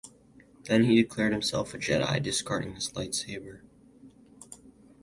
Then, he declared himself a Jedi, discarding his lightsaber.